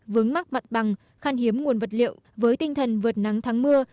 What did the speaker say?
vướng mắc mặt bằng khăn hiếm nguồn vật liệu với tinh thần vượt nắng thắng mưa